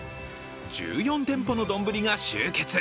１４店舗の丼が集結。